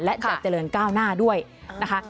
และจะเจริญก้าวหน้าด้วยนะคะ